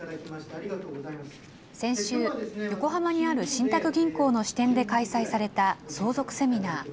先週、横浜にある信託銀行の支店で開催された相続セミナー。